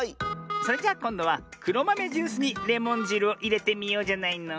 それじゃこんどはくろまめジュースにレモンじるをいれてみようじゃないの。